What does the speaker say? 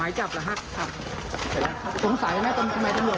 ไม่จริงครับไม่จริงนะครับแล้วไม่จริงนะทำไมตำรวจออกไหมจับแล้วฮะ